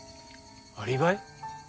アリバイ？